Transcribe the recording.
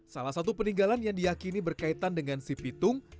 salah satu peninggalan yang diakini berkaitan dengan si pitung